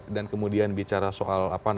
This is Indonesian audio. dan kemudian bicara soal